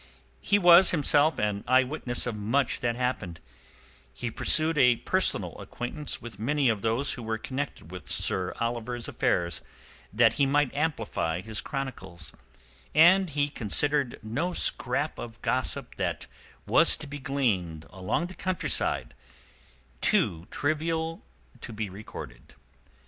He was, himself, an eyewitness of much that happened; he pursued a personal acquaintance with many of those who were connected with Sir Oliver's affairs that he might amplify his chronicles, and he considered no scrap of gossip that was to be gleaned along the countryside too trivial to be recorded.